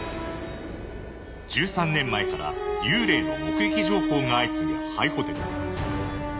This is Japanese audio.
１３年前から幽霊の目撃情報が相次ぐ廃ホテル。